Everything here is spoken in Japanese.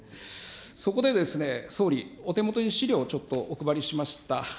そこでですね、総理、お手元に資料をちょっとお配りしました。